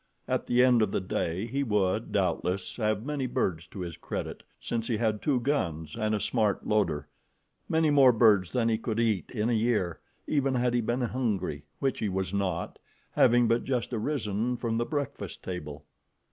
At the end of the day he would, doubtless, have many birds to his credit, since he had two guns and a smart loader many more birds than he could eat in a year, even had he been hungry, which he was not, having but just arisen from the breakfast table.